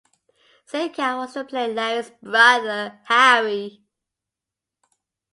Sitka was to play Larry's brother, Harry.